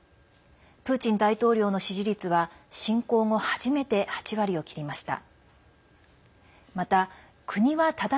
プーチン大統領の支持率は侵攻後初めて８割を切りました。